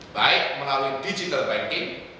baik melalui digital banking